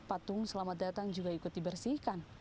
patung selamat datang juga ikut dibersihkan